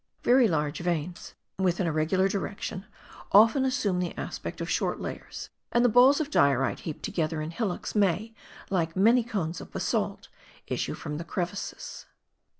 Very large veins, with an irregular direction, often assume the aspect of short layers; and the balls of diorite heaped together in hillocks may, like many cones of basalt, issue from the crevices.